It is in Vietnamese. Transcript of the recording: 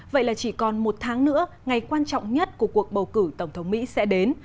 vậy là chỉ còn một tháng nữa ngày quan trọng nhất của cuộc bầu cử tổng thống mỹ sẽ đến